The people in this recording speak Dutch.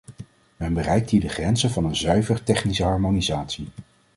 Men bereikt hier de grenzen van een zuiver technische harmonisatie.